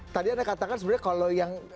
tadi anda katakan sebenarnya kalau yang